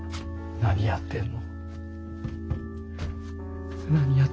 何やってんの？